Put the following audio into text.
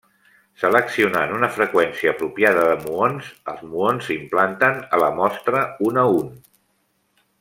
Seleccionant una freqüència apropiada de muons, els muons s'implanten a la mostra un a un.